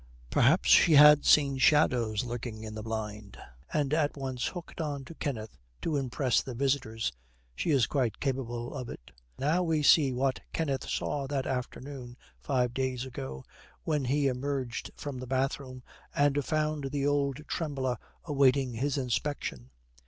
Perhaps she had seen shadows lurking on the blind, and at once hooked on to Kenneth to impress the visitors. She is quite capable of it. Now we see what Kenneth saw that afternoon five days ago when he emerged from the bathroom and found the old trembler awaiting his inspection.